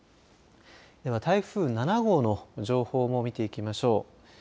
では、台風７号の情報も見ていきましょう。